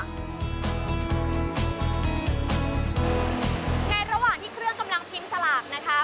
ในระหว่างที่เครื่องกำลังพิมพ์สลากนะคะ